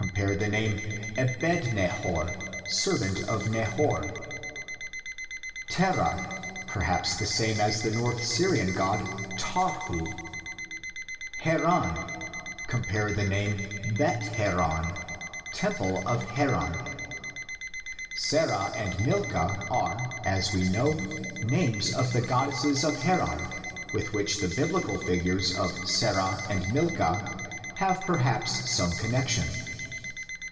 the name Ebednahor = servant of Nahor), Terah (perhaps the same as the North Syrian god Tarhu), Haran (cp. the name Bethharan = temple of Haran). Sarah and Milkah are, as we know, names of the god desses of Haran, with which the Biblical figures of Sarah and Milkah have perhaps some connexion.